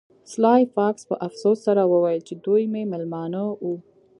سلای فاکس په افسوس سره وویل چې دوی مې میلمانه وو